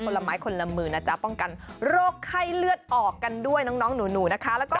ละไม้คนละมือนะจ๊ะป้องกันโรคไข้เลือดออกกันด้วยน้องหนูนะคะแล้วก็